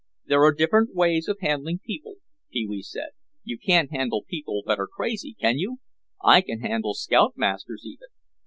"There are different ways of handling people," Pee wee said; "you can't handle people that are crazy, can you? I can handle scoutmasters even."